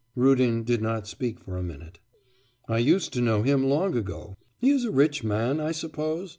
Rudin did not speak for a minute. 'I used to know him long ago. He is a rich man, I suppose?